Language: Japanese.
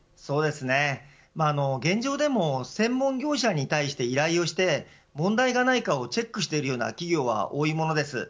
現状でも専門業者に対して依頼をして問題がないかをチェックしているような企業は多いものです。